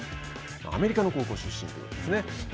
アメリカの高校出身なんですね。